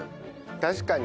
確かに。